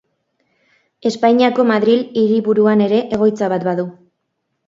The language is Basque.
Espainiako Madril hiriburuan ere egoitza bat badu.